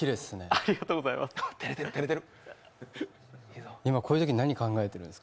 ありがとうございます。